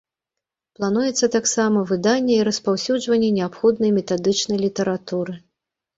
Плануецца таксама выданне і распаўсюджванне неабходнай метадычнай літаратуры.